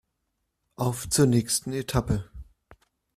Auf zur nächsten Etappe